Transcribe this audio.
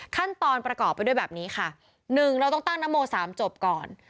ขั้นตอนประกอบไปด้วยแบบนี้ค่ะ๑เราต้องตั้งนโม๓จบก่อน